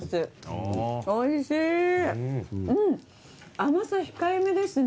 甘さ控えめですね。